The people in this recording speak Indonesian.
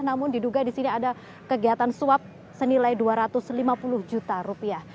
namun diduga di sini ada kegiatan suap senilai dua ratus lima puluh juta rupiah